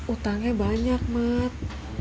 utangnya banyak mat